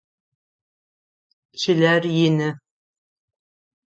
Чылэр ины.